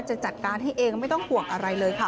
จะจัดการให้เองไม่ต้องห่วงอะไรเลยค่ะ